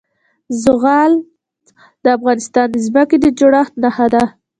زغال د افغانستان د ځمکې د جوړښت نښه ده.